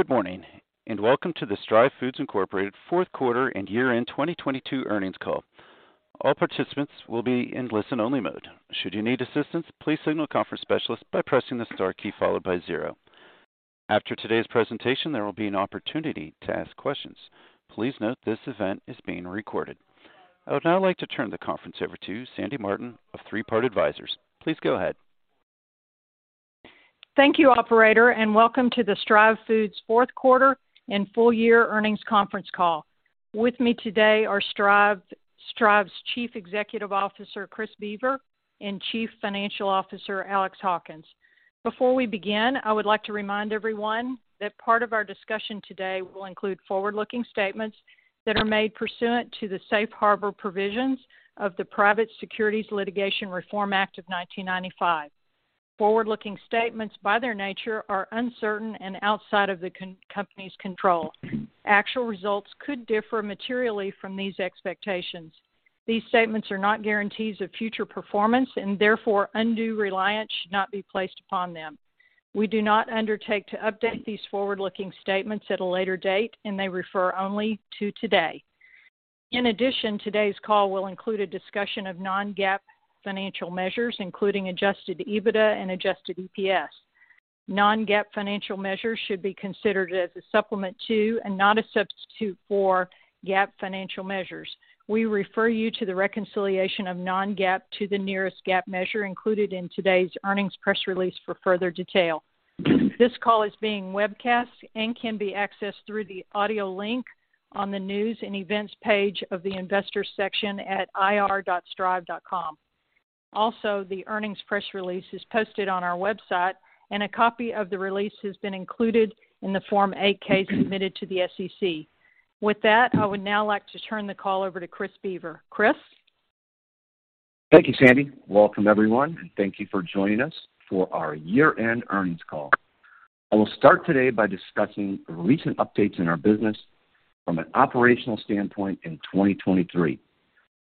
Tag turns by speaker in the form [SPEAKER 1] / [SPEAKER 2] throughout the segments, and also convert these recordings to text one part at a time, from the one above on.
[SPEAKER 1] Good morning, and welcome to the Stryve Foods, Inc. fourth quarter and year-end 2022 earnings call. All participants will be in listen-only mode. Should you need assistance, please signal the conference specialist by pressing the star key followed by zero. After today's presentation, there will be an opportunity to ask questions. Please note this event is being recorded. I would now like to turn the conference over to Sandy Martin of Three Part Advisors. Please go ahead.
[SPEAKER 2] Thank you, operator. Welcome to the Stryve Foods fourth quarter and full year earnings conference call. With me today are Stryve's Chief Executive Officer, Chris Boever, and Chief Financial Officer, Alex Hawkins. Before we begin, I would like to remind everyone that part of our discussion today will include forward-looking statements that are made pursuant to the safe harbor provisions of the Private Securities Litigation Reform Act of 1995. Forward-looking statements, by their nature, are uncertain and outside of the company's control. Actual results could differ materially from these expectations. These statements are not guarantees of future performance and therefore undue reliance should not be placed upon them. We do not undertake to update these forward-looking statements at a later date, and they refer only to today. In addition, today's call will include a discussion of non-GAAP financial measures, including adjusted EBITDA and adjusted EPS. Non-GAAP financial measures should be considered as a supplement to and not a substitute for GAAP financial measures. We refer you to the reconciliation of non-GAAP to the nearest GAAP measure included in today's earnings press release for further detail. This call is being webcast and can be accessed through the audio link on the News & Events page of the Investors section at ir.stryve.com. Also, the earnings press release is posted on our website, and a copy of the release has been included in the Form 8-K submitted to the SEC. With that, I would now like to turn the call over to Chris Boever. Chris?
[SPEAKER 3] Thank you, Sandy. Welcome, everyone, and thank you for joining us for our year-end earnings call. I will start today by discussing recent updates in our business from an operational standpoint in 2023.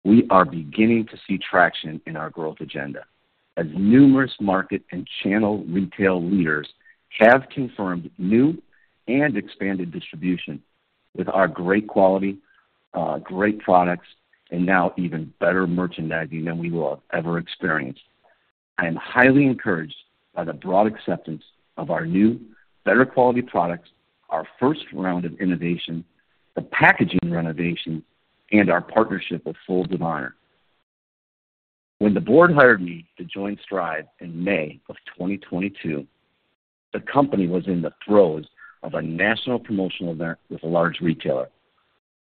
[SPEAKER 3] We are beginning to see traction in our growth agenda as numerous market and channel retail leaders have confirmed new and expanded distribution with our great quality, great products, and now even better merchandising than we will have ever experienced. I am highly encouraged by the broad acceptance of our new better quality products, our first round of innovation, the packaging renovation, and our partnership with Folds of Honor. When the board hired me to join Stryve in May of 2022, the company was in the throes of a national promotional event with a large retailer.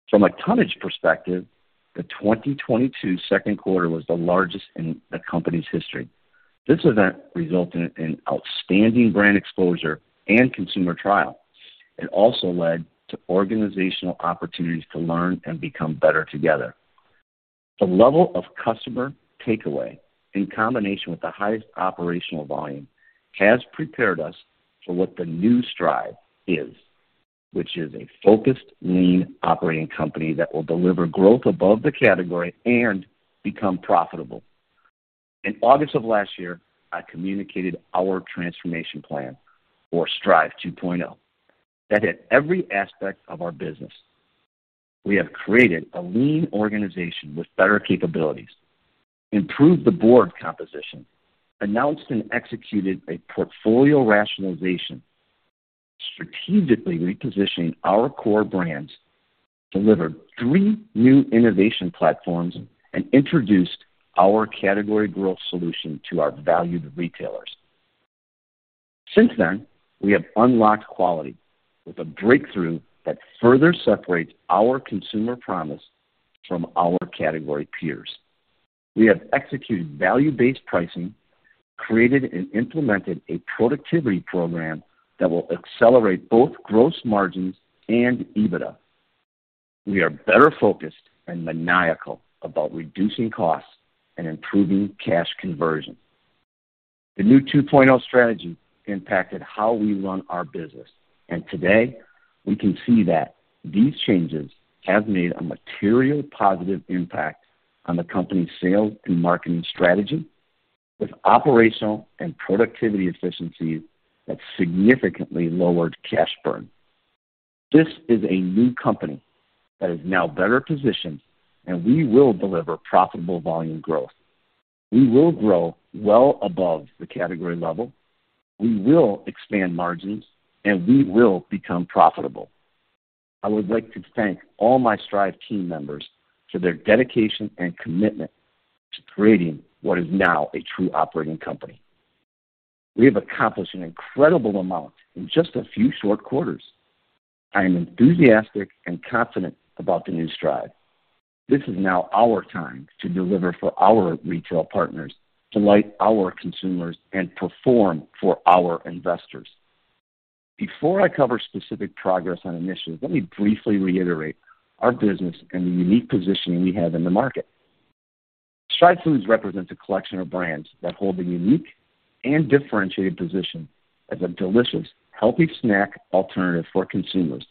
[SPEAKER 3] From a tonnage perspective, the 2022 second quarter was the largest in the company's history. This event resulted in outstanding brand exposure and consumer trial. It also led to organizational opportunities to learn and become better together. The level of customer takeaway in combination with the highest operational volume has prepared us for what the new Stryve is, which is a focused lean operating company that will deliver growth above the category and become profitable. In August of last year, I communicated our transformation plan for Stryve 2.0 that hit every aspect of our business. We have created a lean organization with better capabilities, improved the board composition, announced and executed a portfolio rationalization, strategically repositioned our core brands, delivered three new innovation platforms, and introduced our category growth solution to our valued retailers. Since then, we have unlocked quality with a breakthrough that further separates our consumer promise from our category peers. We have executed value-based pricing, created and implemented a productivity program that will accelerate both gross margins and EBITDA. We are better focused and maniacal about reducing costs and improving cash conversion. The new Stryve 2.0 strategy impacted how we run our business. Today, we can see that these changes have made a material positive impact on the company's sales and marketing strategy with operational and productivity efficiencies that significantly lowered cash burn. This is a new company that is now better positioned, and we will deliver profitable volume growth. We will grow well above the category level. We will expand margins, and we will become profitable. I would like to thank all my Stryve team members for their dedication and commitment to creating what is now a true operating company. We have accomplished an incredible amount in just a few short quarters. I am enthusiastic and confident about the new Stryve. This is now our time to deliver for our retail partners, delight our consumers, and perform for our investors. Before I cover specific progress on initiatives, let me briefly reiterate our business and the unique positioning we have in the market. Stryve Foods represents a collection of brands that hold a unique and differentiated position as a delicious, healthy snack alternative for consumers,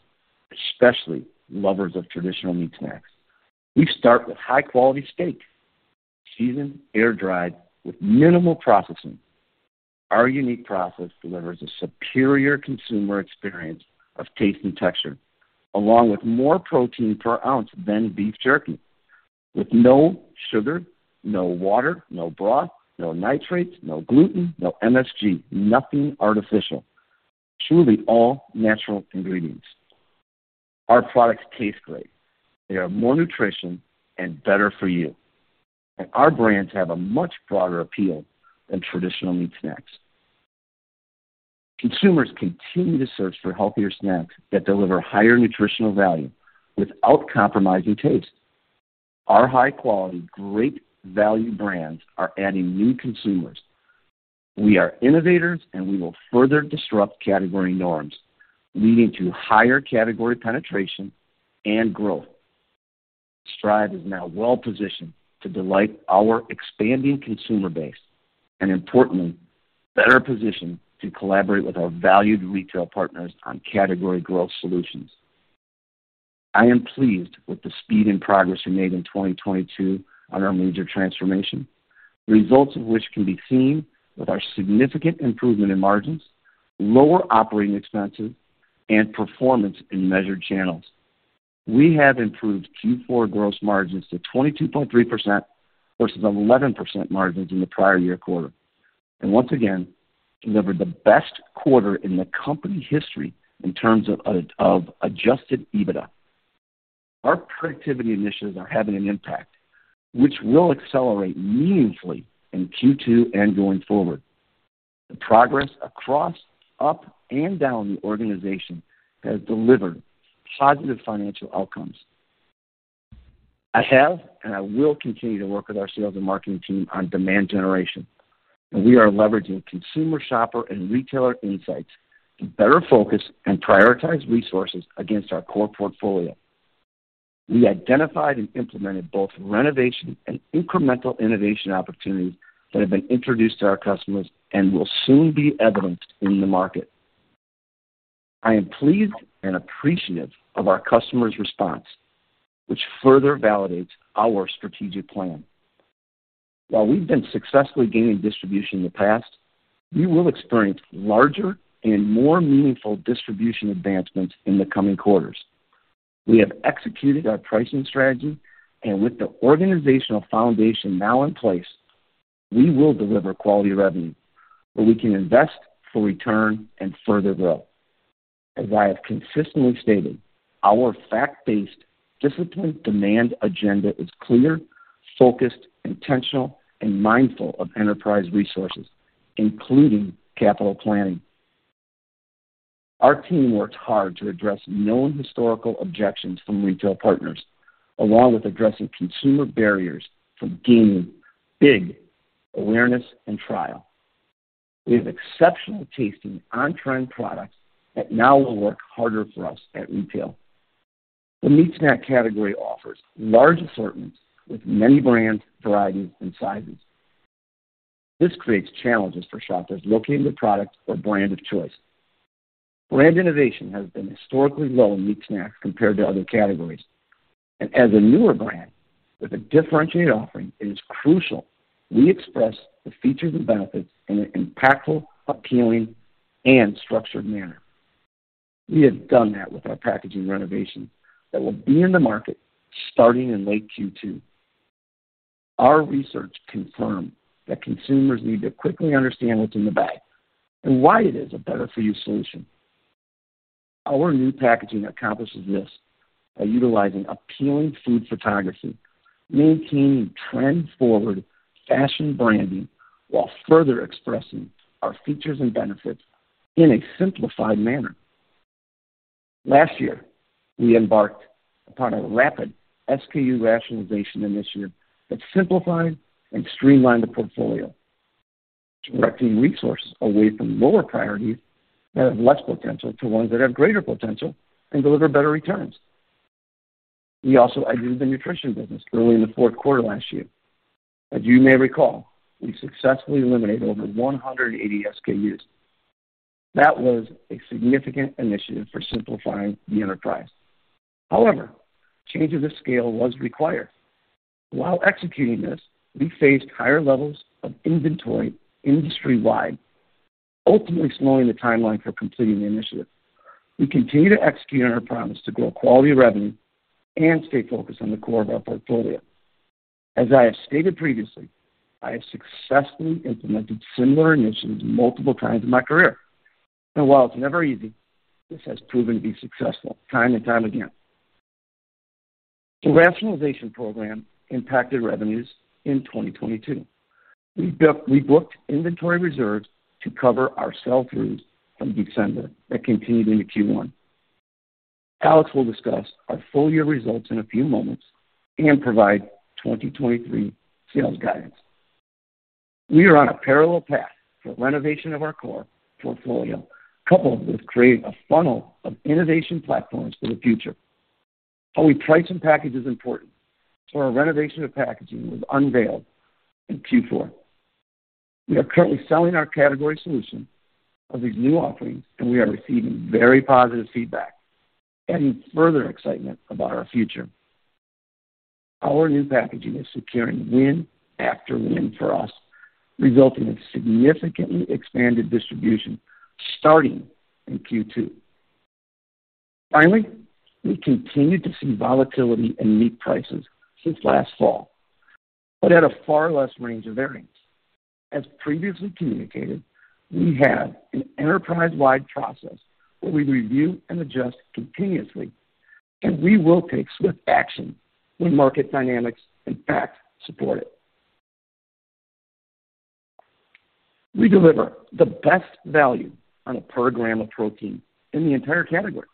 [SPEAKER 3] especially lovers of traditional meat snacks. We start with high-quality steak, seasoned, air-dried with minimal processing. Our unique process delivers a superior consumer experience of taste and texture, along with more protein per ounce than beef jerky. With no sugar, no water, no broth, no nitrates, no gluten, no MSG, nothing artificial. Truly all natural ingredients. Our products taste great. They have more nutrition and are better for you. Our brands have a much broader appeal than traditional meat snacks. Consumers continue to search for healthier snacks that deliver higher nutritional value without compromising taste. Our high-quality, great value brands are adding new consumers. We are innovators, and we will further disrupt category norms, leading to higher category penetration and growth. Stryve is now well-positioned to delight our expanding consumer base and importantly, better positioned to collaborate with our valued retail partners on category growth solutions. I am pleased with the speed and progress we made in 2022 on our major transformation, results of which can be seen with our significant improvement in margins, lower operating expenses, and performance in measured channels. We have improved Q4 gross margins to 22.3% versus 11% margins in the prior year quarter. Once again, delivered the best quarter in the company history in terms of adjusted EBITDA. Our productivity initiatives are having an impact, which will accelerate meaningfully in Q2 and going forward. The progress across, up, and down the organization has delivered positive financial outcomes. I have, and I will continue to work with our sales and marketing team on demand generation, and we are leveraging consumer, shopper, and retailer insights to better focus and prioritize resources against our core portfolio. We identified and implemented both renovation and incremental innovation opportunities that have been introduced to our customers and will soon be evident in the market. I am pleased and appreciative of our customers' response, which further validates our strategic plan. While we've been successfully gaining distribution in the past, we will experience larger and more meaningful distribution advancements in the coming quarters. We have executed our pricing strategy, and with the organizational foundation now in place, we will deliver quality revenue where we can invest for return and further growth. As I have consistently stated, our fact-based, disciplined demand agenda is clear, focused, intentional, and mindful of enterprise resources, including capital planning. Our team works hard to address known historical objections from retail partners, along with addressing consumer barriers from gaining big awareness and trial. We have exceptional tasting on-trend products that now will work harder for us at retail. The meat snack category offers large assortments with many brands, varieties, and sizes. This creates challenges for shoppers locating the product or brand of choice. Brand innovation has been historically low in meat snacks compared to other categories. As a newer brand with a differentiated offering, it is crucial we express the features and benefits in an impactful, appealing, and structured manner. We have done that with our packaging renovation that will be in the market starting in late Q2. Our research confirmed that consumers need to quickly understand what's in the bag and why it is a better-for-you solution. Our new packaging accomplishes this by utilizing appealing food photography, maintaining trend-forward fashion branding while further expressing our features and benefits in a simplified manner. Last year, we embarked upon a rapid SKU rationalization initiative that simplified and streamlined the portfolio, directing resources away from lower priorities that have less potential to ones that have greater potential and deliver better returns. We also added the nutrition business early in the fourth quarter last year. As you may recall, we successfully eliminated over 180 SKUs. That was a significant initiative for simplifying the enterprise. However, change of this scale was required. While executing this, we faced higher levels of inventory industry-wide, ultimately slowing the timeline for completing the initiative. We continue to execute on our promise to grow quality revenue and stay focused on the core of our portfolio. As I have stated previously, I have successfully implemented similar initiatives multiple times in my career. While it's never easy, this has proven to be successful time and time again. The rationalization program impacted revenues in 2022. We booked inventory reserves to cover our sell-through from December that continued into Q1. Alex will discuss our full year results in a few moments and provide 2023 sales guidance. We are on a parallel path for renovation of our core portfolio, coupled with creating a funnel of innovation platforms for the future. How we price and package is important, so our renovation of packaging was unveiled in Q4. We are currently selling our category solution of these new offerings, and we are receiving very positive feedback, adding further excitement about our future. Our new packaging is securing win after win for us, resulting in significantly expanded distribution starting in Q2. Finally, we continue to see volatility in meat prices since last fall, but at a far less range of variance. As previously communicated, we have an enterprise-wide process where we review and adjust continuously, and we will take swift action when market dynamics, in fact, support it. We deliver the best value on a per gram of protein in the entire category.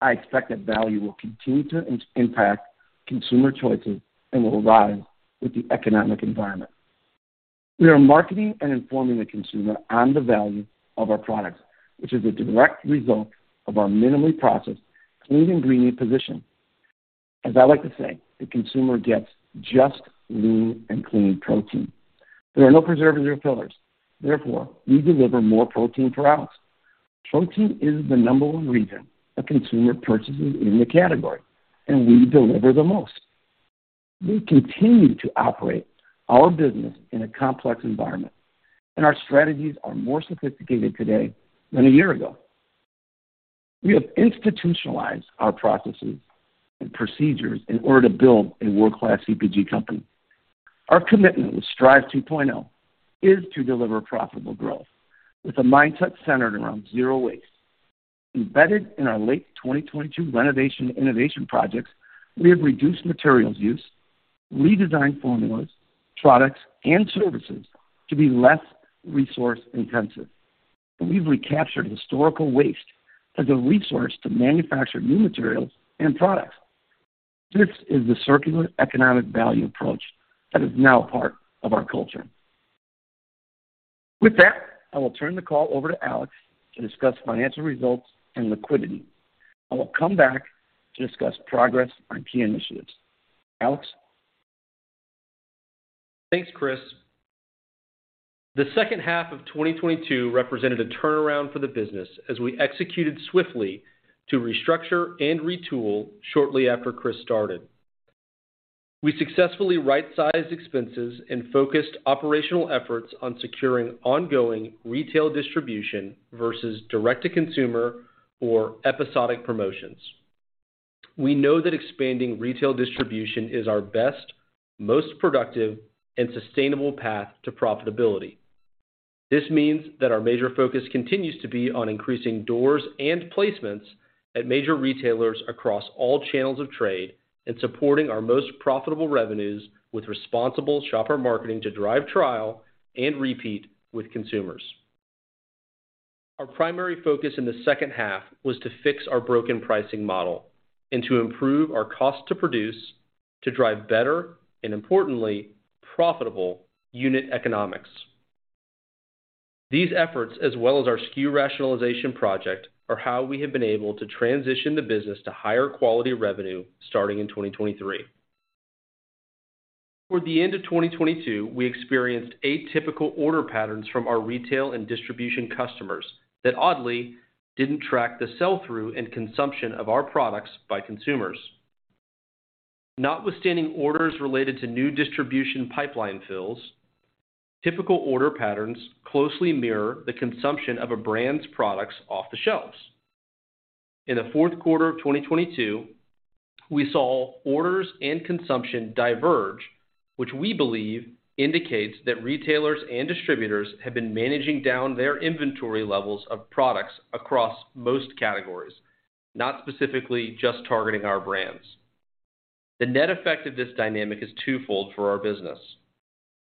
[SPEAKER 3] I expect that value will continue to impact consumer choices and will rise with the economic environment. We are marketing and informing the consumer on the value of our products, which is a direct result of our minimally processed, clean ingredient position. As I like to say, the consumer gets just lean and clean protein. There are no preservatives or fillers. Therefore, we deliver more protein per ounce. Protein is the number one reason a consumer purchases in the category, and we deliver the most. We continue to operate our business in a complex environment, and our strategies are more sophisticated today than a year ago. We have institutionalized our processes and procedures in order to build a world-class CPG company. Our commitment with Stryve 2.0 is to deliver profitable growth with a mindset centered around zero waste. Embedded in our late 2022 renovation innovation projects, we have reduced materials use, redesigned formulas, products, and services to be less resource-intensive. We've recaptured historical waste as a resource to manufacture new materials and products. This is the circular economy approach that is now part of our culture. With that, I will turn the call over to Alex to discuss financial results and liquidity. I will come back to discuss progress on key initiatives. Alex?
[SPEAKER 4] Thanks, Chris. The second half of 2022 represented a turnaround for the business as we executed swiftly to restructure and retool shortly after Chris started. We successfully right-sized expenses and focused operational efforts on securing ongoing retail distribution versus direct-to-consumer or episodic promotions. We know that expanding retail distribution is our best, most productive, and sustainable path to profitability. This means that our major focus continues to be on increasing doors and placements at major retailers across all channels of trade and supporting our most profitable revenues with responsible shopper marketing to drive trial and repeat with consumers. Our primary focus in the second half was to fix our broken pricing model and to improve our cost to produce, to drive better, and importantly, profitable unit economics. These efforts, as well as our SKU rationalization project, are how we have been able to transition the business to higher quality revenue starting in 2023. Toward the end of 2022, we experienced atypical order patterns from our retail and distribution customers that oddly didn't track the sell-through and consumption of our products by consumers. Notwithstanding orders related to new distribution pipeline fills, typical order patterns closely mirror the consumption of a brand's products off the shelves. In the fourth quarter of 2022, we saw orders and consumption diverge, which we believe indicates that retailers and distributors have been managing down their inventory levels of products across most categories, not specifically just targeting our brands. The net effect of this dynamic is twofold for our business.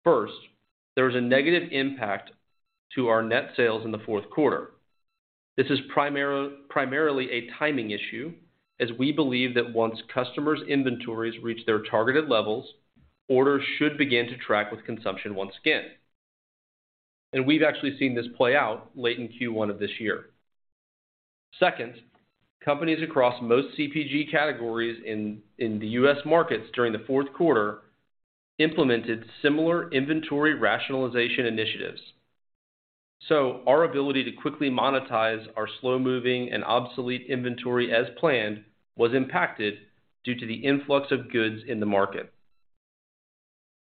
[SPEAKER 4] First, there is a negative impact to our net sales in the fourth quarter. This is primarily a timing issue, as we believe that once customers' inventories reach their targeted levels, orders should begin to track with consumption once again. We've actually seen this play out late in Q1 of this year. Second, companies across most CPG categories in the U.S. markets during the fourth quarter implemented similar inventory rationalization initiatives. Our ability to quickly monetize our slow-moving and obsolete inventory as planned was impacted due to the influx of goods in the market.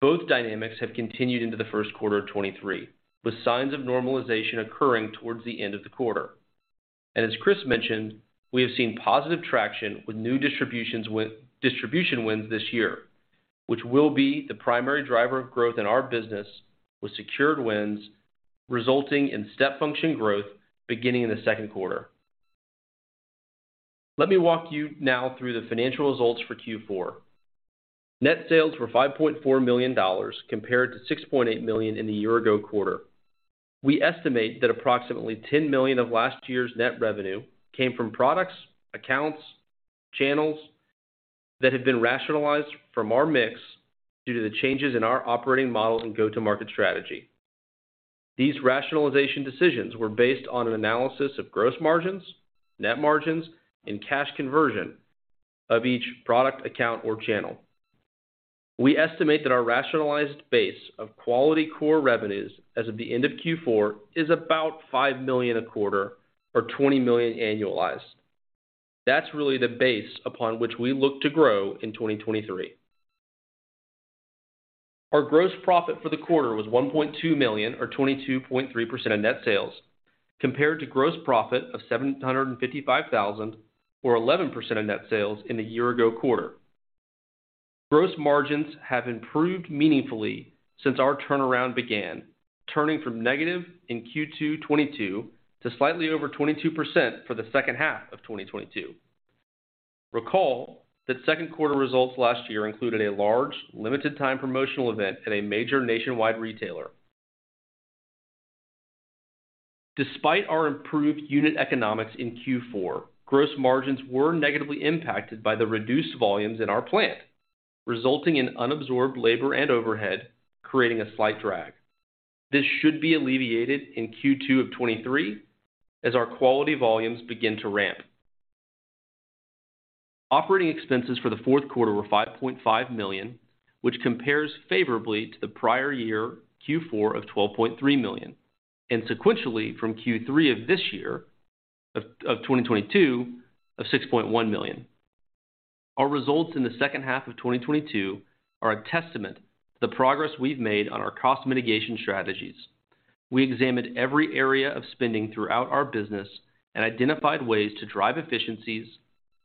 [SPEAKER 4] Both dynamics have continued into the first quarter of 2023, with signs of normalization occurring towards the end of the quarter. As Chris mentioned, we have seen positive traction with new distribution wins this year, which will be the primary driver of growth in our business with secured wins resulting in step function growth beginning in the second quarter. Let me walk you now through the financial results for Q4. Net sales were $5.4 million compared to $6.8 million in the year-ago quarter. We estimate that approximately $10 million of last year's net revenue came from products, accounts, channels that have been rationalized from our mix due to the changes in our operating model and go-to-market strategy. These rationalization decisions were based on an analysis of gross margins, net margins, and cash conversion of each product, account, or channel. We estimate that our rationalized base of quality core revenues as of the end of Q4 is about $5 million a quarter, or $20 million annualized. That's really the base upon which we look to grow in 2023. Our gross profit for the quarter was $1.2 million, or 22.3% of net sales, compared to gross profit of $755,000, or 11% of net sales in the year ago quarter. Gross margins have improved meaningfully since our turnaround began, turning from negative in Q2 '22 to slightly over 22% for the second half of 2022. Recall that second quarter results last year included a large, limited time promotional event at a major nationwide retailer. Despite our improved unit economics in Q4, gross margins were negatively impacted by the reduced volumes in our plant, resulting in unabsorbed labor and overhead, creating a slight drag. This should be alleviated in Q2 of '23 as our quality volumes begin to ramp. Operating expenses for the fourth quarter were $5.5 million, which compares favorably to the prior year Q4 of $12.3 million, and sequentially from Q3 of this year, of 2022, of $6.1 million. Our results in the second half of 2022 are a testament to the progress we've made on our cost mitigation strategies. We examined every area of spending throughout our business and identified ways to drive efficiencies,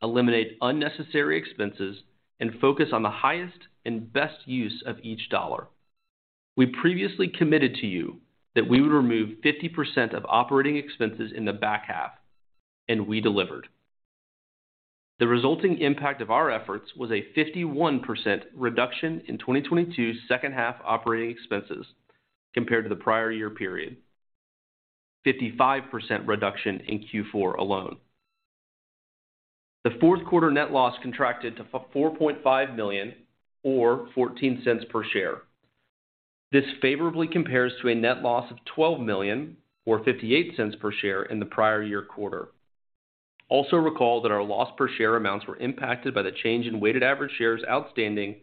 [SPEAKER 4] eliminate unnecessary expenses, and focus on the highest and best use of each dollar. We previously committed to you that we would remove 50% of operating expenses in the back half, and we delivered. The resulting impact of our efforts was a 51% reduction in 2022's second half operating expenses compared to the prior year period. 55% reduction in Q4 alone. The fourth quarter net loss contracted to $4.5 million or $0.14 per share. This favorably compares to a net loss of $12 million or $0.58 per share in the prior year quarter. Recall that our loss per share amounts were impacted by the change in weighted average shares outstanding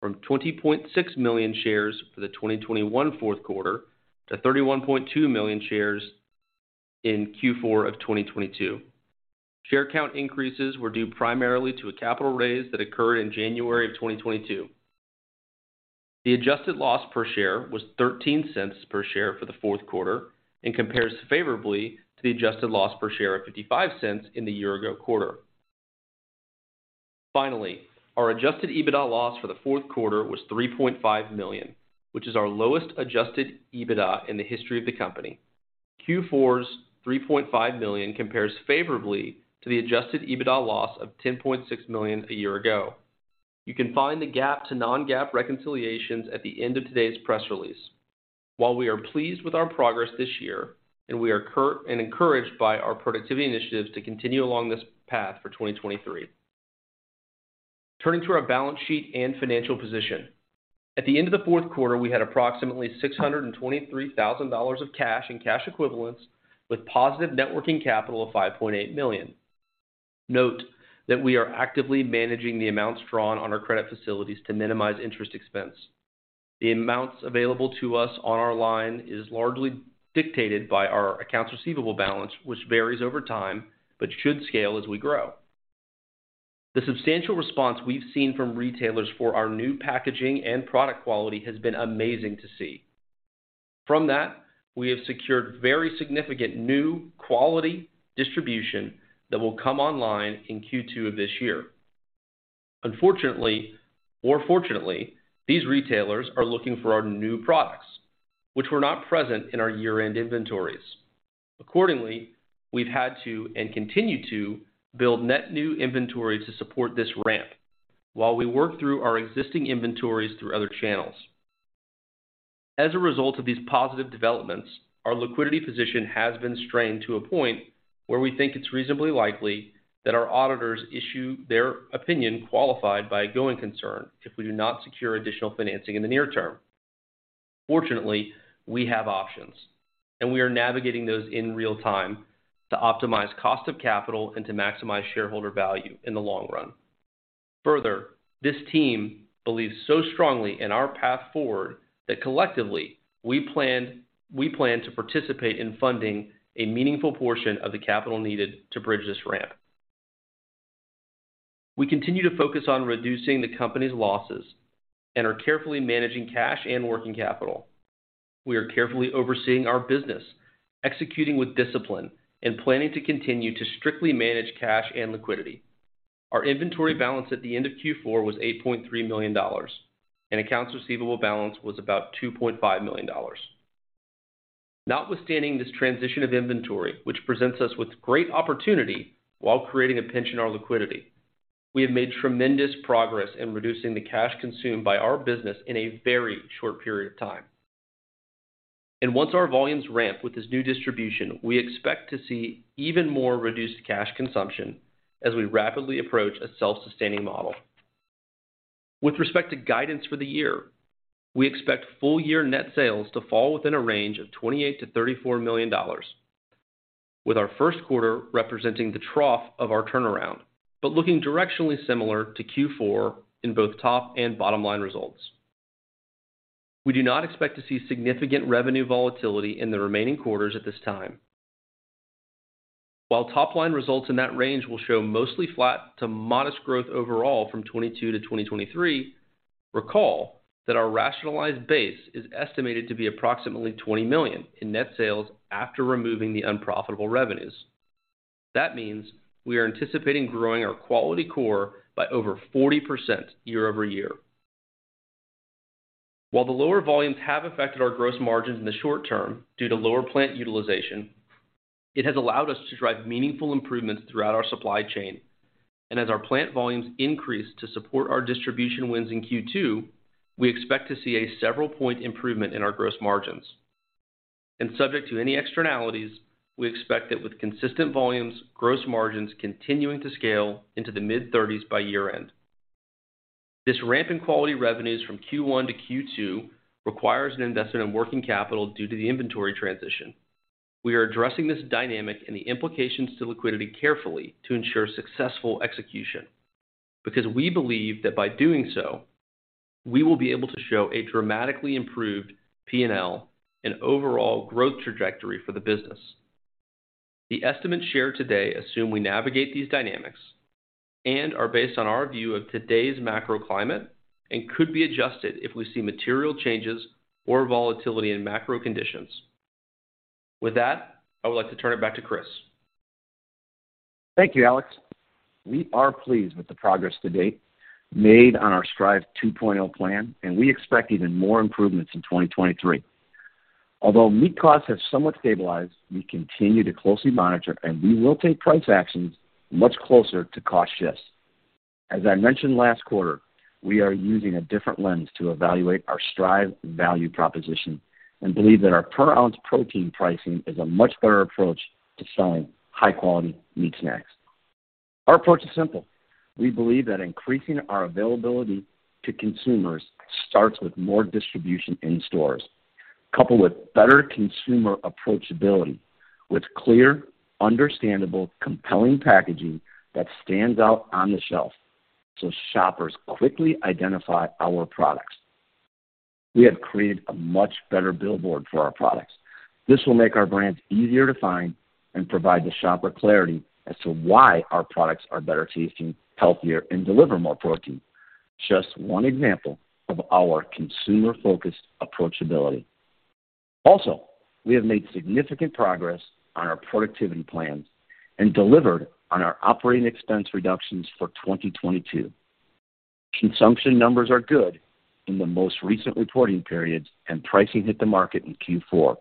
[SPEAKER 4] from 20.6 million shares for the 2021 fourth quarter to 31.2 million shares in Q4 of 2022. Share count increases were due primarily to a capital raise that occurred in January of 2022. The adjusted loss per share was $0.13 per share for the fourth quarter and compares favorably to the adjusted loss per share of $0.55 in the year ago quarter. Finally, our adjusted EBITDA loss for the fourth quarter was $3.5 million, which is our lowest adjusted EBITDA in the history of the company. Q4's $3.5 million compares favorably to the adjusted EBITDA loss of $10.6 million a year ago. You can find the GAAP to non-GAAP reconciliations at the end of today's press release. While we are pleased with our progress this year, and we are encouraged by our productivity initiatives to continue along this path for 2023. Turning to our balance sheet and financial position. At the end of the fourth quarter, we had approximately $623,000 of cash and cash equivalents with positive net working capital of $5.8 million. Note that we are actively managing the amounts drawn on our credit facilities to minimize interest expense. The amounts available to us on our line is largely dictated by our accounts receivable balance, which varies over time, but should scale as we grow. The substantial response we've seen from retailers for our new packaging and product quality has been amazing to see. From that, we have secured very significant new quality distribution that will come online in Q2 of this year. Unfortunately, or fortunately, these retailers are looking for our new products, which were not present in our year-end inventories. Accordingly, we've had to, and continue to, build net new inventory to support this ramp while we work through our existing inventories through other channels. As a result of these positive developments, our liquidity position has been strained to a point where we think it's reasonably likely that our auditors issue their opinion qualified by a going concern if we do not secure additional financing in the near term. We have options, and we are navigating those in real time to optimize cost of capital and to maximize shareholder value in the long run. This team believes so strongly in our path forward that collectively, we plan to participate in funding a meaningful portion of the capital needed to bridge this ramp. We continue to focus on reducing the company's losses and are carefully managing cash and working capital. We are carefully overseeing our business, executing with discipline, and planning to continue to strictly manage cash and liquidity. Our inventory balance at the end of Q4 was $8.3 million, and accounts receivable balance was about $2.5 million. Notwithstanding this transition of inventory, which presents us with great opportunity while creating a pinch in our liquidity, we have made tremendous progress in reducing the cash consumed by our business in a very short period of time. Once our volumes ramp with this new distribution, we expect to see even more reduced cash consumption as we rapidly approach a self-sustaining model. With respect to guidance for the year, we expect full year net sales to fall within a range of $28 million-$34 million, with our first quarter representing the trough of our turnaround, but looking directionally similar to Q4 in both top and bottom line results. We do not expect to see significant revenue volatility in the remaining quarters at this time. While top line results in that range will show mostly flat to modest growth overall from 2022 to 2023, recall that our rationalized base is estimated to be approximately $20 million in net sales after removing the unprofitable revenues. That means we are anticipating growing our quality core by over 40% year-over-year. While the lower volumes have affected our gross margins in the short term due to lower plant utilization, it has allowed us to drive meaningful improvements throughout our supply chain. As our plant volumes increase to support our distribution wins in Q2, we expect to see a several-point improvement in our gross margins. Subject to any externalities, we expect that with consistent volumes, gross margins continuing to scale into the mid-30s by year-end. This ramp in quality revenues from Q1 to Q2 requires an investment in working capital due to the inventory transition. We are addressing this dynamic and the implications to liquidity carefully to ensure successful execution, because we believe that by doing so, we will be able to show a dramatically improved P&L and overall growth trajectory for the business. The estimates shared today assume we navigate these dynamics and are based on our view of today's macro climate and could be adjusted if we see material changes or volatility in macro conditions. With that, I would like to turn it back to Chris.
[SPEAKER 3] Thank you, Alex. We are pleased with the progress to date made on our Stryve 2.0 plan, and we expect even more improvements in 2023. Meat costs have somewhat stabilized. We continue to closely monitor, and we will take price actions much closer to cost shifts. I mentioned last quarter, we are using a different lens to evaluate our Stryve value proposition and believe that our per ounce protein pricing is a much better approach to selling high quality meat snacks. Our approach is simple. We believe that increasing our availability to consumers starts with more distribution in stores, coupled with better consumer approachability, with clear, understandable, compelling packaging that stands out on the shelf, so shoppers quickly identify our products. We have created a much better billboard for our products. This will make our brands easier to find and provide the shopper clarity as to why our products are better tasting, healthier, and deliver more protein. Just one example of our consumer-focused approachability. Also, we have made significant progress on our productivity plans and delivered on our operating expense reductions for 2022. Consumption numbers are good in the most recent reporting periods, and pricing hit the market in Q4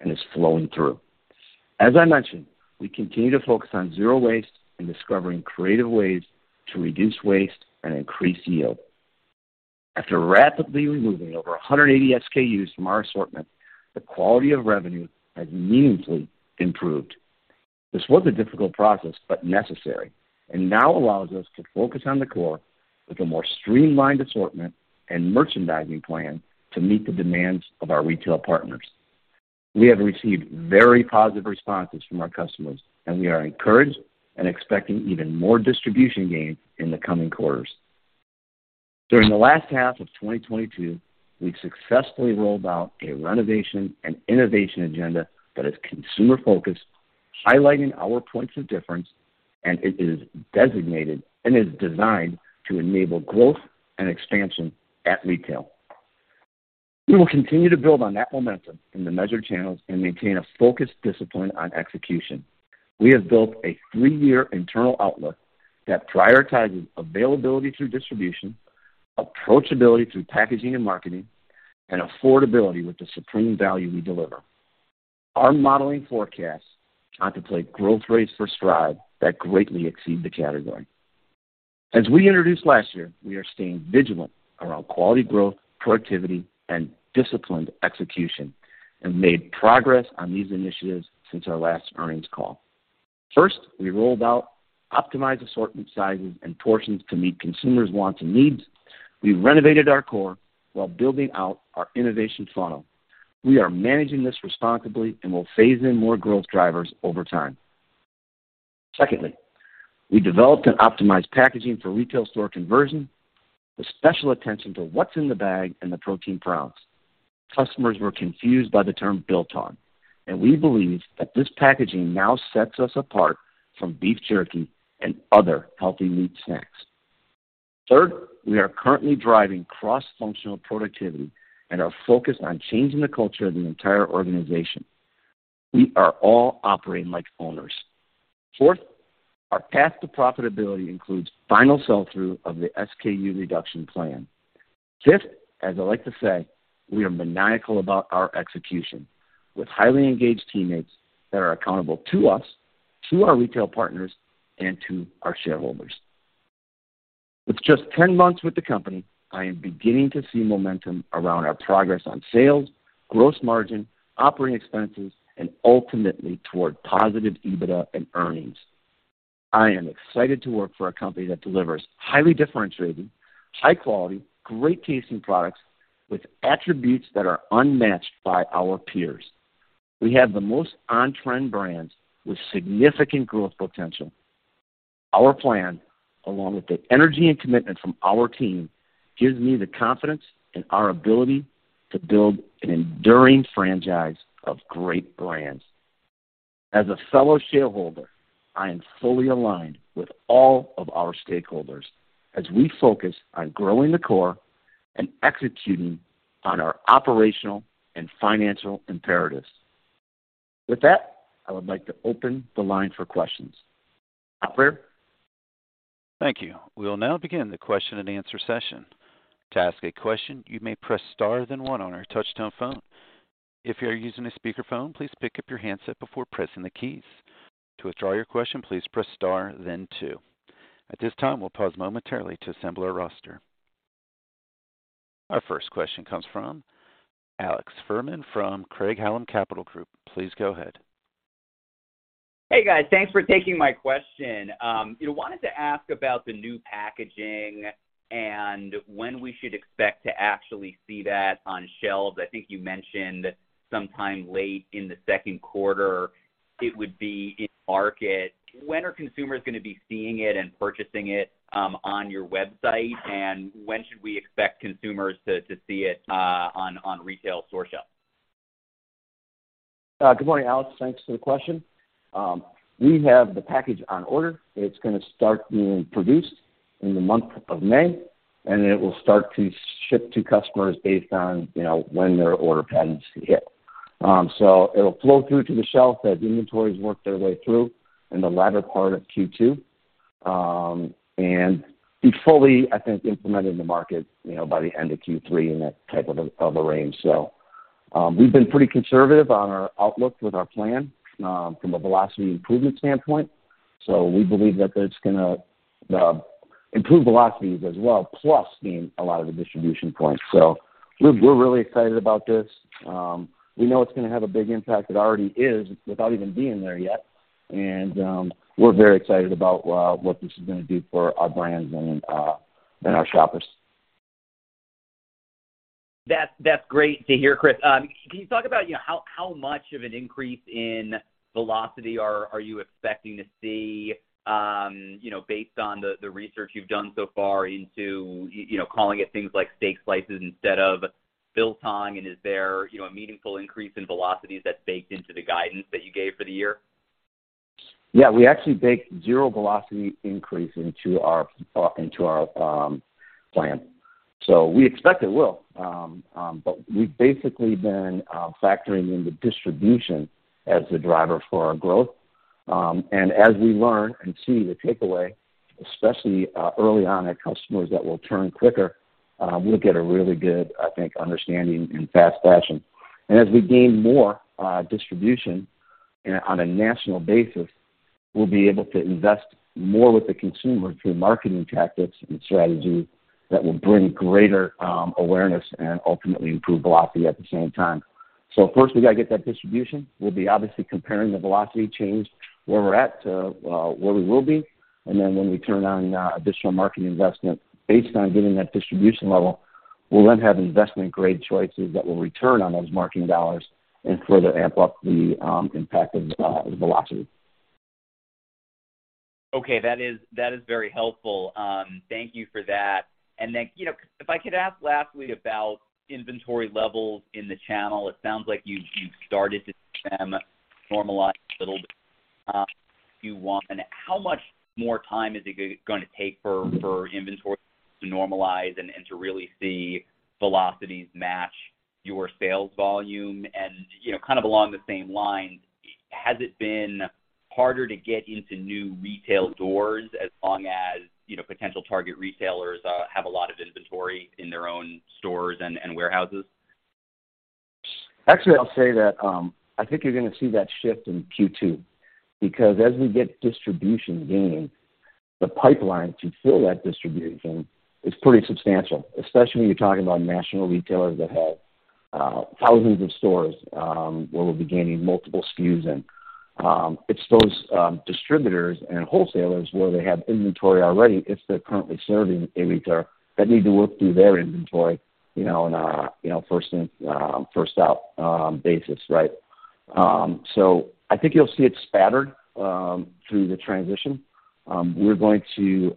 [SPEAKER 3] and is flowing through. As I mentioned, we continue to focus on zero waste and discovering creative ways to reduce waste and increase yield. After rapidly removing over 180 SKUs from our assortment, the quality of revenue has meaningfully improved. This was a difficult process, but necessary, and now allows us to focus on the core with a more streamlined assortment and merchandising plan to meet the demands of our retail partners. We have received very positive responses from our customers, and we are encouraged and expecting even more distribution gains in the coming quarters. During the last half of 2022, we've successfully rolled out a renovation and innovation agenda that is consumer-focused, highlighting our points of difference, and it is designed to enable growth and expansion at retail. We will continue to build on that momentum in the measured channels and maintain a focused discipline on execution. We have built a three-year internal outlook that prioritizes availability through distribution, approachability through packaging and marketing, and affordability with the supreme value we deliver. Our modeling forecasts contemplate growth rates for Stryve that greatly exceed the category. As we introduced last year, we are staying vigilant around quality growth, productivity, and disciplined execution, and made progress on these initiatives since our last earnings call. First, we rolled out optimized assortment sizes and portions to meet consumers' wants and needs. We renovated our core while building out our innovation funnel. We are managing this responsibly and will phase in more growth drivers over time. Secondly, we developed and optimized packaging for retail store conversion with special attention to what's in the bag and the protein per ounce. Customers were confused by the term Biltong. We believe that this packaging now sets us apart from beef jerky and other healthy meat snacks. Third, we are currently driving cross-functional productivity and are focused on changing the culture of the entire organization. We are all operating like owners. Fourth, our path to profitability includes final sell-through of the SKU reduction plan. Fifth, as I like to say, we are maniacal about our execution with highly engaged teammates that are accountable to us, to our retail partners, and to our shareholders. With just 10 months with the company, I am beginning to see momentum around our progress on sales, gross margin, operating expenses, and ultimately toward positive EBITDA and earnings. I am excited to work for a company that delivers highly differentiated, high quality, great tasting products with attributes that are unmatched by our peers. We have the most on-trend brands with significant growth potential. Our plan, along with the energy and commitment from our team, gives me the confidence in our ability to build an enduring franchise of great brands. As a fellow shareholder, I am fully aligned with all of our stakeholders as we focus on growing the core and executing on our operational and financial imperatives. With that, I would like to open the line for questions. Operator?
[SPEAKER 1] Thank you. We'll now begin the question and answer session. To ask a question, you may press Star then one on our touchtone phone. If you are using a speakerphone, please pick up your handset before pressing the keys. To withdraw your question, please press Star then two. At this time, we'll pause momentarily to assemble our roster. Our first question comes from Alex Fuhrman from Craig-Hallum Capital Group. Please go ahead.
[SPEAKER 5] Hey, guys. Thanks for taking my question. I wanted to ask about the new packaging and when we should expect to actually see that on shelves. I think you mentioned sometime late in the second quarter it would be in market. When are consumers gonna be seeing it and purchasing it, on your website? When should we expect consumers to see it, on retail store shelves?
[SPEAKER 3] Good morning, Alex. Thanks for the question. We have the package on order. It's gonna start being produced in the month of May, and it will start to ship to customers based on, you know, when their order patterns hit. It'll flow through to the shelf as inventories work their way through in the latter part of Q2. And it will be fully implemented in the market, you know, by the end of Q3 in that type of a, of a range. We've been pretty conservative on our outlook with our plan from a velocity improvement standpoint. We believe that that's gonna improve velocities as well, plus gain a lot of the distribution points. We're really excited about this. We know it's gonna have a big impact. It already is without even being there yet. We're very excited about what this is gonna do for our brands and our shoppers.
[SPEAKER 5] That's great to hear, Chris. Can you talk about, you know, how much of an increase in velocity are you expecting to see, you know, based on the research you've done so far into you know, calling it things like steak slices instead of beef biltong? Is there, you know, a meaningful increase in velocity that's baked into the guidance that you gave for the year?
[SPEAKER 3] We actually baked 0 velocity increase into our plan. We expect it will. We've basically been factoring in the distribution as the driver for our growth. As we learn and see the takeaway, especially early on at customers that will turn quicker, we'll get a really good, I think, understanding in fast fashion. As we gain more distribution on a national basis, we'll be able to invest more with the consumer through marketing tactics and strategy that will bring greater awareness and ultimately improve velocity at the same time. First, we gotta get that distribution. We'll be obviously comparing the velocity change where we're at to where we will be. When we turn on additional marketing investment, based on getting that distribution level, we'll then have investment-grade choices that will return on those marketing dollars and further amp up the impact of the velocity.
[SPEAKER 5] Okay, that is very helpful. Thank you for that. Then, you know, if I could ask lastly about inventory levels in the channel. It sounds like you've started to see them normalize a little bit. How much more time is it gonna take for inventory to normalize and to really see velocities match your sales volume? You know, kind of along the same lines, has it been harder to get into new retail doors as long as, you know, potential target retailers have a lot of inventory in their own stores and warehouses?
[SPEAKER 3] Actually, I'll say that, I think you're gonna see that shift in Q2 because as we get distribution gain, the pipeline to fill that distribution is pretty substantial, especially when you're talking about national retailers that have thousands of stores, where we'll be gaining multiple SKUs in. It's those distributors and wholesalers where they have inventory already if they're currently serving a retailer that need to work through their inventory, you know, on a, you know, first in, first out basis, right? I think you'll see it spattered through the transition. We're going to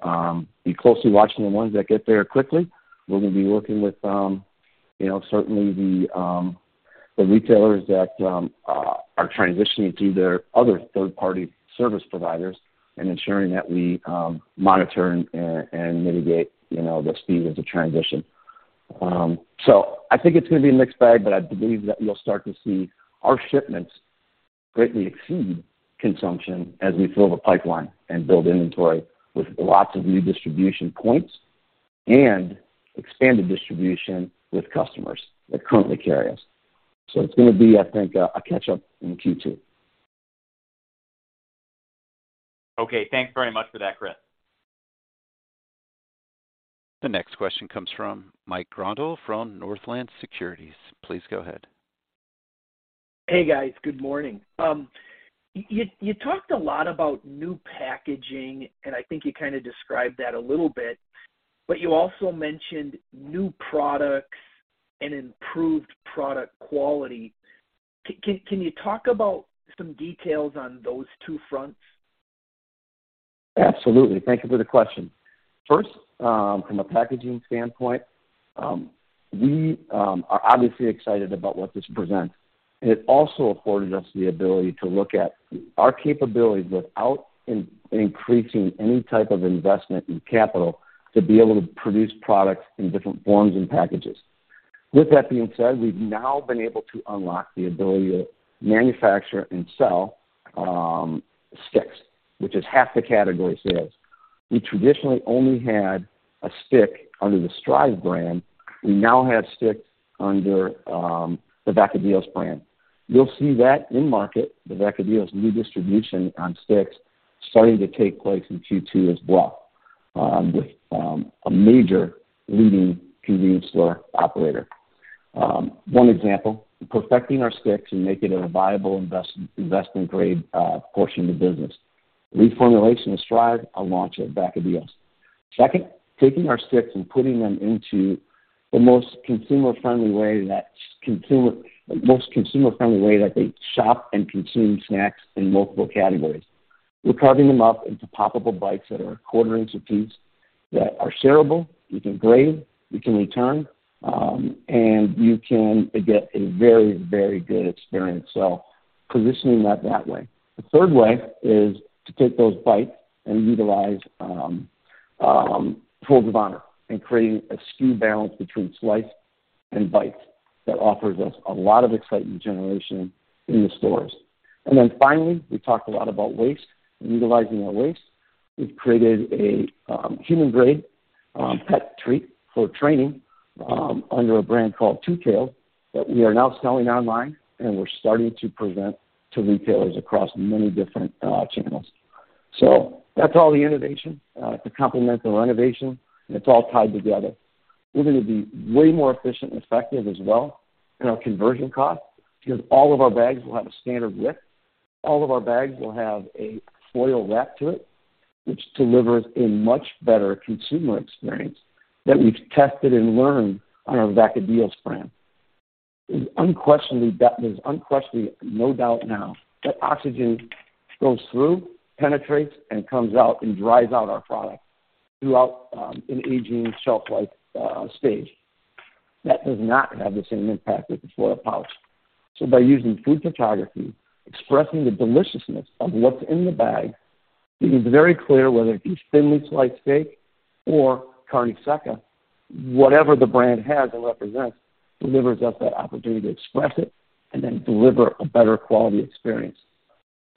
[SPEAKER 3] be closely watching the ones that get there quickly. We're gonna be working with, you know, certainly the retailers that are transitioning to their other third-party service providers and ensuring that we monitor and mitigate, you know, the speed of the transition. I think it's gonna be a mixed bag, but I believe that you'll start to see our shipments greatly exceed consumption as we fill the pipeline and build inventory with lots of new distribution points and expanded distribution with customers that currently carry us. It's gonna be, I think, a catch-up in Q2.
[SPEAKER 5] Okay. Thanks very much for that, Chris.
[SPEAKER 1] The next question comes from Mike Grondahl from Northland Securities. Please go ahead.
[SPEAKER 6] Hey, guys. Good morning. You talked a lot about new packaging. I think you kinda described that a little bit. You also mentioned new products and improved product quality. Can you talk about some details on those two fronts?
[SPEAKER 3] Absolutely. Thank you for the question. First, from a packaging standpoint, we are obviously excited about what this presents. It also afforded us the ability to look at our capabilities without increasing any type of investment in capital to be able to produce products in different forms and packages. With that being said, we've now been able to unlock the ability to manufacture and sell sticks, which is half the category sales. We traditionally only had a stick under the Stryve brand. We now have sticks under the Vacadillos brand. You'll see that in market, the Vacadillos new distribution on sticks starting to take place in Q2 as well, with a major leading convenience store operator. One example, perfecting our sticks and making it a viable investment grade portion of the business. Reformulation of Stryve, a launch of Vacadillos. Taking our sticks and putting them into the most consumer-friendly way that they shop and consume snacks in multiple categories. We're carving them up into poppable bites that are a quarter inch a piece, that are shareable, you can grade, you can return, and you can get a very, very good experience. Positioning that way. The third way is to take those bites and utilize Folds of Honor in creating a SKU balance between slice and bite that offers us a lot of excitement generation in the stores. Finally, we talked a lot about waste and utilizing our waste. We've created a human grade pet treat for training under a brand called Two Tails that we are now selling online, and we're starting to present to retailers across many different channels. That's all the innovation to complement the renovation, and it's all tied together. We're gonna be way more efficient and effective as well in our conversion cost because all of our bags will have a standard width. All of our bags will have a foil wrap to it, which delivers a much better consumer experience that we've tested and learned on our Vacadillos brand. There's unquestionably no doubt now that oxygen goes through, penetrates, and comes out and dries out our product throughout an aging shelf life stage. That does not have the same impact as a foil pouch. By using food photography, expressing the deliciousness of what's in the bag, it is very clear whether it be thinly sliced steak or carne seca, whatever the brand has or represents, delivers us that opportunity to express it and then deliver a better quality experience.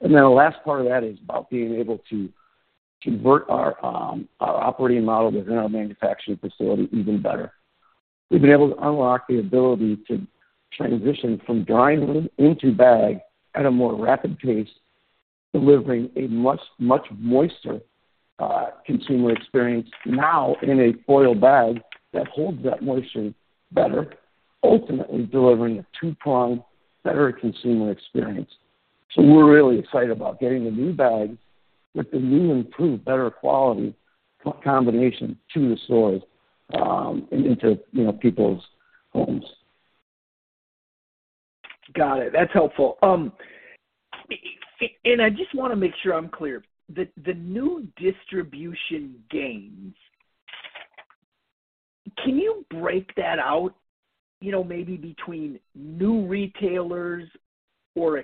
[SPEAKER 3] The last part of that is about being able to convert our operating model within our manufacturing facility even better. We've been able to unlock the ability to transition from drying into bag at a more rapid pace, delivering a much moister consumer experience now in a foil bag that holds that moisture better, ultimately delivering a two-pronged, better consumer experience. We're really excited about getting the new bag with the new improved better quality combination to the stores, and into, you know, people's homes.
[SPEAKER 6] Got it. That's helpful. I just wanna make sure I'm clear. The new distribution gains, can you break that out, you know, maybe between new retailers or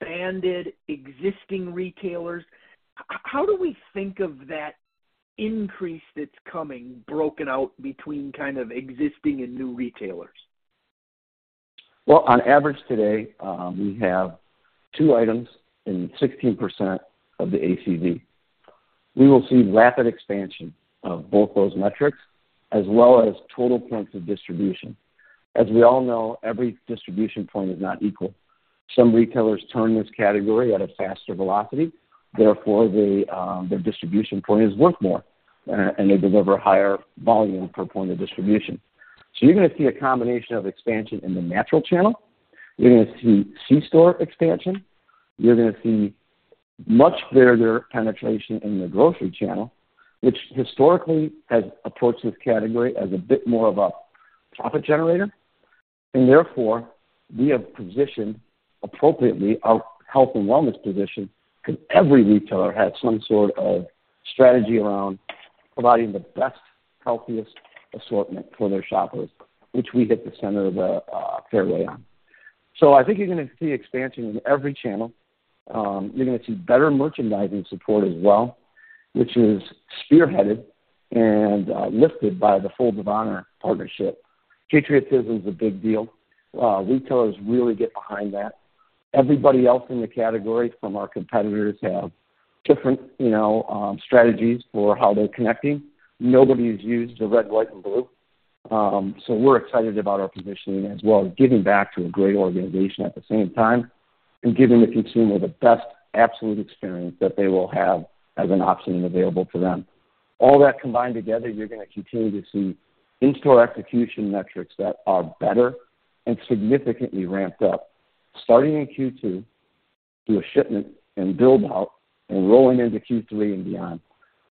[SPEAKER 6] expanded existing retailers? How do we think of that increase that's coming broken out between kind of existing and new retailers?
[SPEAKER 3] On average today, we have 2 items and 16% of the ACV. We will see rapid expansion of both those metrics as well as total points of distribution. As we all know, every distribution point is not equal. Some retailers turn this category at a faster velocity, therefore, their distribution point is worth more, and they deliver higher volume per point of distribution. You're gonna see a combination of expansion in the natural channel. You're gonna see C-store expansion. You're gonna see much further penetration in the grocery channel, which historically has approached this category as a bit more of a profit generator. Therefore, we have positioned appropriately our health and wellness position because every retailer has some sort of strategy around providing the best, healthiest assortment for their shoppers, which we hit the center of the fairway on. I think you're gonna see expansion in every channel. You're gonna see better merchandising support as well, which is spearheaded and lifted by the Folds of Honor partnership. Patriotism is a big deal. Retailers really get behind that. Everybody else in the category from our competitors have different, you know, strategies for how they're connecting. Nobody's used the red, white, and blue. We're excited about our positioning as well, giving back to a great organization at the same time, and giving the consumer the best absolute experience that they will have as an option available to them. All that combined together, you're gonna continue to see in-store execution metrics that are better and significantly ramped up, starting in Q2 through a shipment and build-out, and rolling into Q3 and beyond.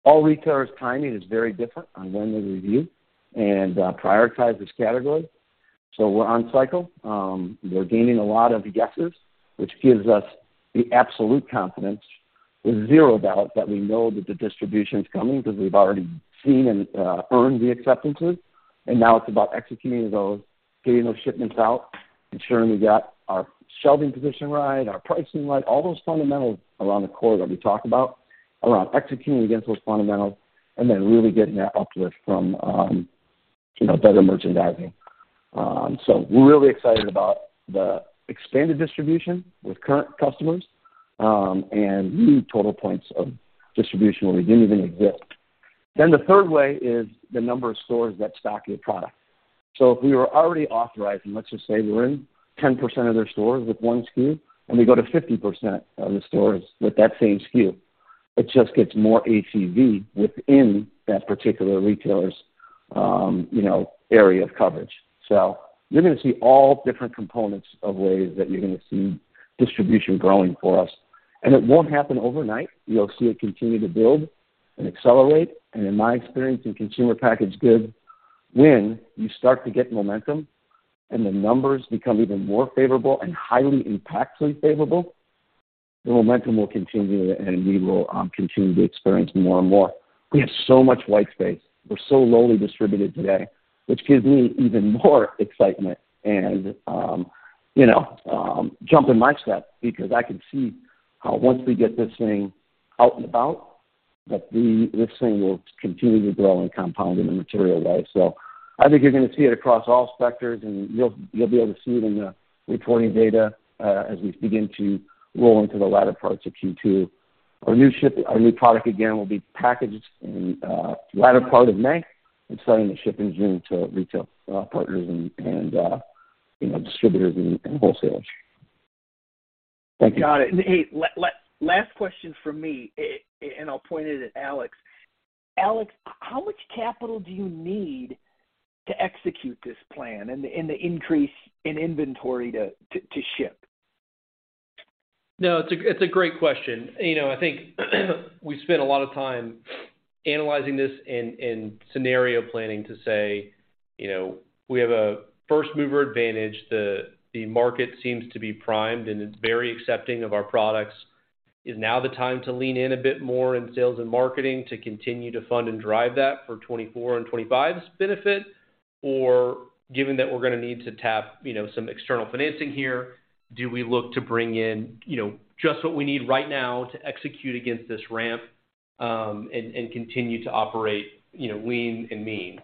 [SPEAKER 3] All retailers' timing is very different on when they review and prioritize this category, so we're on cycle. They're gaining a lot of the sets, which gives us the absolute confidence with zero doubt that we know that the distribution's coming because we've already seen and earned the acceptances, and now it's about executing those, getting those shipments out, ensuring we've got our shelving position right, our pricing right. All those fundamentals around the core that we talk about around executing against those fundamentals and then really getting that uplift from, you know, better merchandising. We're really excited about the expanded distribution with current customers and new total points of distribution where we didn't even exist. The third way is the number of stores that stock your product. If we were already authorized, and let's just say we're in 10% of their stores with one SKU, and we go to 50% of the stores with that same SKU, it just gets more ACV within that particular retailer's, you know, area of coverage. You're gonna see all different components of ways that you're gonna see distribution growing for us, and it won't happen overnight. You'll see it continue to build and accelerate, and in my experience in consumer packaged goods, when you start to get momentum and the numbers become even more favorable and highly impactfully favorable, the momentum will continue, and we will continue to experience more and more. We have so much white space. We're so lightly distributed today, which gives me even more excitement and, you know, jump in my step because I can see how once we get this thing out and about, this thing will continue to grow and compound in a material way. I think you're gonna see it across all sectors, and you'll be able to see it in the reporting data as we begin to roll into the latter parts of Q2. Our new product, again, will be packaged in the latter part of May and starting to ship in June to retail partners and, you know, distributors and wholesalers. Thank you.
[SPEAKER 6] Got it. Hey, last question from me, and I'll point it at Alex. Alex, how much capital do you need to execute this plan and the increase in inventory to ship?
[SPEAKER 4] No, it's a, it's a great question. You know, I think we spend a lot of time analyzing this and scenario planning to say, you know, we have a first-mover advantage. The, the market seems to be primed, and it's very accepting of our products. Is now the time to lean in a bit more in sales and marketing to continue to fund and drive that for 2024 and 2025's benefit? Given that we're gonna need to tap, you know, some external financing here, do we look to bring in, you know, just what we need right now to execute against this ramp, and continue to operate, you know, lean and mean?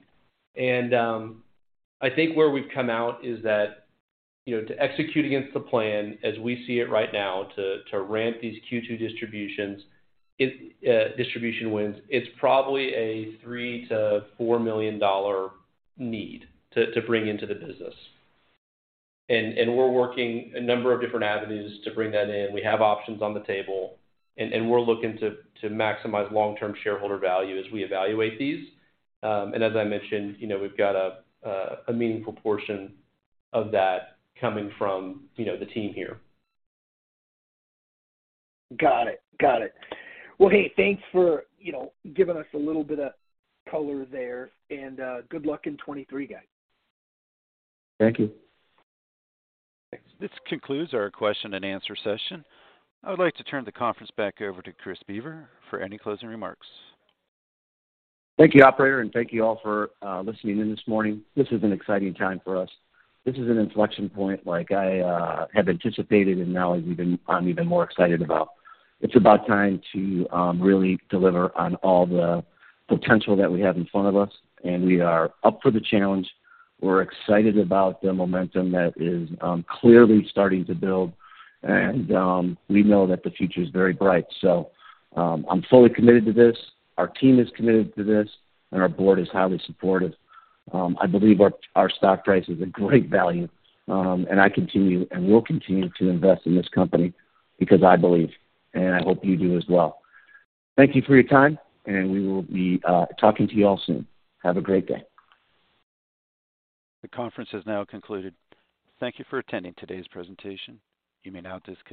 [SPEAKER 4] I think where we've come out is that, you know, to execute against the plan as we see it right now to ramp these Q2 distributions, distribution wins, it's probably a $3 million-$4 million need to bring into the business. We're working a number of different avenues to bring that in. We have options on the table, we're looking to maximize long-term shareholder value as we evaluate these. As I mentioned, you know, we've got a meaningful portion of that coming from, you know, the team here.
[SPEAKER 6] Got it. Got it. Well, hey, thanks for, you know, giving us a little bit of color there and good luck in 2023, guys.
[SPEAKER 3] Thank you.
[SPEAKER 1] This concludes our question and answer session. I would like to turn the conference back over to Chris Boever for any closing remarks.
[SPEAKER 3] Thank you, operator, and thank you all for listening in this morning. This is an exciting time for us. This is an inflection point like I have anticipated and now I'm even more excited about. It's about time to really deliver on all the potential that we have in front of us. We are up for the challenge. We're excited about the momentum that is clearly starting to build. We know that the future is very bright. I'm fully committed to this. Our team is committed to this. Our board is highly supportive. I believe our stock price is a great value. I continue and will continue to invest in this company because I believe, and I hope you do as well. Thank you for your time, and we will be talking to you all soon. Have a great day.
[SPEAKER 1] The conference has now concluded. Thank you for attending today's presentation. You may now disconnect.